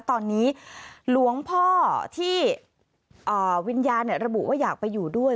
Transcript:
ตอนนี้หลวงพ่อที่วิญญาณระบุว่าอยากไปอยู่ด้วย